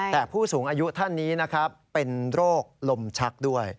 แต่ผู้สูงอายุท่านนี้นะครับเป็นโรคลมชักด้วย